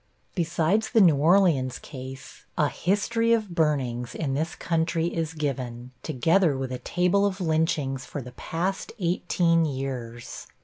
Besides the New Orleans case, a history of burnings in this country is given, together with a table of lynchings for the past eighteen years.